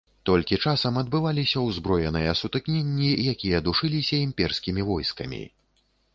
Толькі часам адбываліся ўзброеныя сутыкненні, якія душыліся імперскімі войскамі.